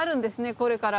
これから。